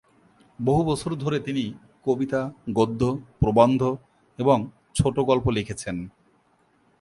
বহু বছর ধরে তিনি কবিতা, গদ্য, প্রবন্ধ এবং ছোট গল্প লিখেছেন।